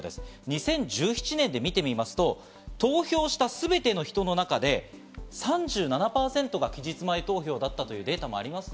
２０１７年で見てみますと、投票したすべての人の中で３７％が期日前投票だったというデータもあります。